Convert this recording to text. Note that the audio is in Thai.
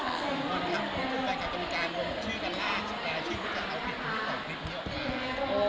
ผู้หญิงต่อกับตรงกลางโดยชื่อการลายงานชีวิตต่อกหนึ่ง